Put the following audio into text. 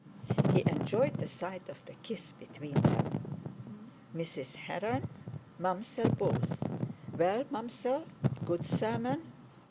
He enjoyed the sight of the kiss between them. "Mrs. Heron, Mam'zelle Beauce. Well, Mam'zelle—good sermon?"